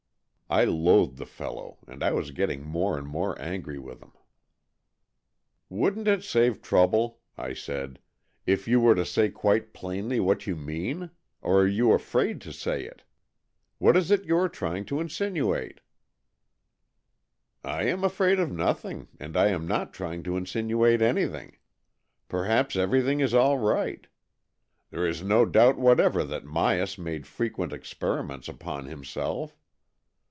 I loathed the fellow, and I was getting more and more angry with him. " Wouldn't it save trouble," I said, "if you were to say quite plainly what you mean? Or are you afraid to say it? What is it you are trying to insinuate ?"" I am afraid of nothing, and I am not trying to insinuate anything. Perhaps every thing is all right. There is no doubt what ever that Myas made frequent experiments upon himself.